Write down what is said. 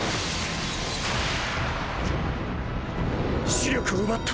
視力を奪った。